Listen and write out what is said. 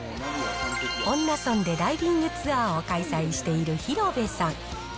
恩納村でダイビングツアーを開催している広部さん。